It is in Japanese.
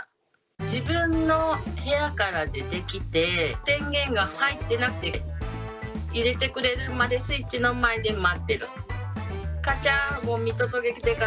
自分の部屋から出てきて、電源が入ってなくて、入れてくれるまでスイッチの前で待ってる。